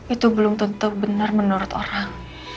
itu belum tentu benar menurut orang